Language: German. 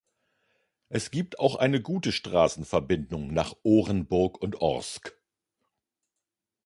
Es gibt auch eine gute Straßenverbindung nach Orenburg und Orsk.